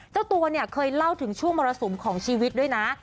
เจ้าตัวเนี่ยเคยเล่าถึงช่วงมรสุมของชีวิตด้วยนะ